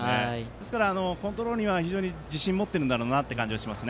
ですから、コントロールには非常に自信を持っているんだろうなと思います。